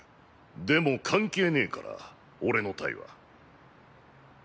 でも関係ねぇから俺の隊は。